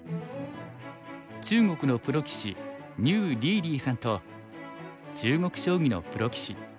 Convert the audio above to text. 中国のプロ棋士牛力力さんと中国将棋のプロ棋士